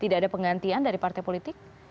tidak ada penggantian dari partai politik